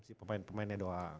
si pemain pemainnya doang